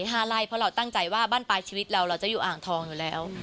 เพราะเราตั้งใจว่าบ้านปลายชีวิตเราเราจะอยู่อ่างทองอยู่แล้ว